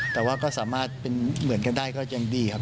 แต่ว่าก็สามารถเป็นเหมือนกันได้ก็ยังดีครับ